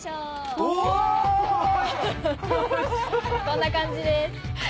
こんな感じです。